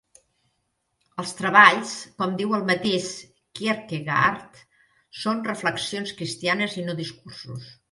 Els "Treballs", com diu el mateix Kierkegaard, són reflexions cristianes i no discursos.